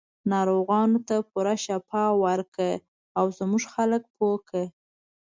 ناروغانو ته پوره شفا ورکړه او زموږ خلک پوه کړه.